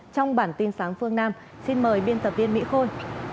trong bản tin sáng phương nam xin mời biên tập viên mỹ khôi